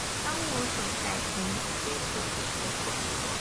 当我走在田间的时候